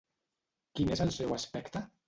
Quin és el seu aspecte?